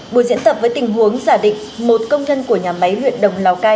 buổi diễn tập với tình huống giả định một công nhân của nhà máy huyện đồng lào cai